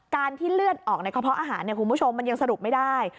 ที่เลือดออกในกระเพาะอาหารคุณผู้ชมมันยังสรุปไม่ได้